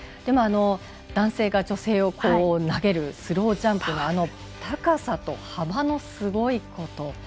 男性が女性を投げるスロージャンプの高さと幅のすごいこと。